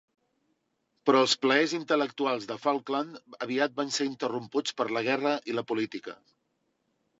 Però els plaers intel·lectuals de Falkland aviat van ser interromputs per la guerra i la política.